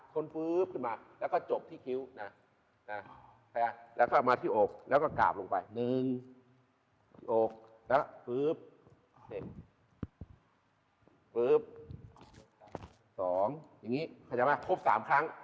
ขึ้นมาแล้วก็จบที่กิ้วแล้วก็มาที่อกแล้วก็กราบลงไป๑๒คลิป๓ครั้ง